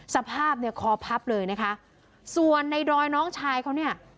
สภาพเนี่ยคอพับเลยนะคะส่วนในดอยน้องชายเขาเนี่ย